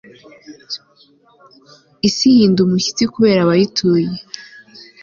isi ihinda umushyitsi kubera abayituye